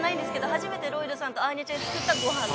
初めてロイドさんとアーニャちゃんに作ったごはんです。